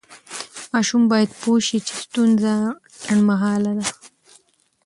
ماشوم باید پوه شي چې ستونزه لنډمهاله ده.